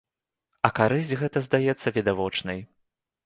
А карысць гэта здаецца відавочнай.